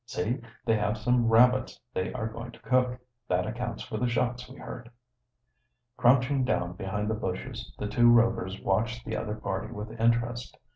See, they have some rabbits they are going to cook. That accounts for the shots we heard." Crouching down behind the bushes, the two Rovers watched the other party with interest.